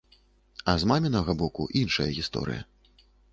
А з мамінага боку іншая гісторыя.